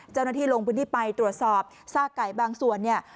เจ้าหน้าที่ลงพื้นที่ไปตรวจสอบซากไก่บางส่วนเนี่ย